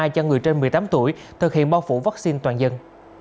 cho người trên một mươi tám tuổi thực hiện bao phủ vaccine toàn dân